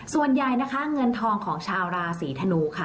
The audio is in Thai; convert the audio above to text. ส่วนใหญ่นะคะเงินทองของชาวราศีธนูค่ะ